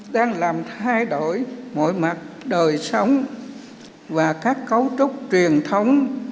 đang làm thay đổi mọi mặt đời sống và các cấu trúc truyền thống